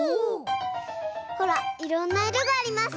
ほらいろんないろがあります。